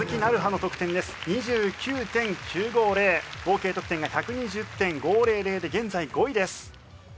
合計得点が１２０．５００で現在５位です。